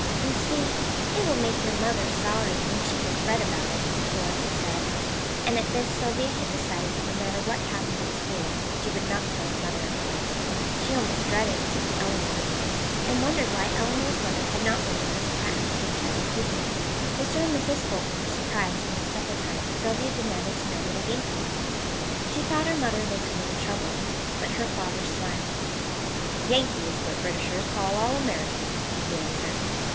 "You see, it will make your mother sorry, and she will fret about it," Flora had said; and at this Sylvia had decided that no matter what happened at school she would not tell her mother about it. She almost dreaded seeing Elinor again, and wondered why Elinor's mother had not wanted Miss Patten to take her as a pupil. Mr. and Mrs. Fulton were surprised when at supper time Sylvia demanded to know what a "Yankee" was. She thought her mother looked a little troubled. But her father smiled. "Yankee is what Britishers call all Americans," he answered.